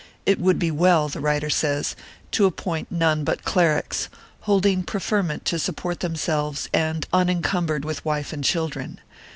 It would be well, the writer says, to appoint none but clerics, holding preferment to support themselves and unen cumbered with wife and children.